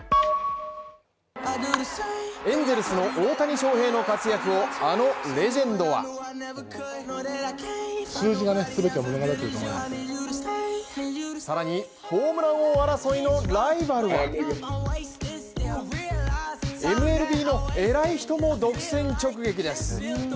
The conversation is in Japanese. エンゼルスの大谷翔平の活躍をあのレジェンドは更にホームラン王争いのライバルはＭＬＢの偉い人も独占直撃です。